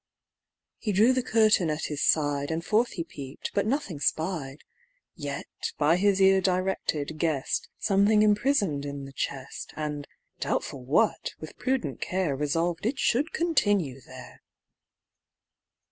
He drew the curtain at his side, And forth he peep'd, but nothing spied. Yet, by his ear directed, guess'd Something imprison'd in the chest, And, doubtful what, with prudent care Resolved it should continue there.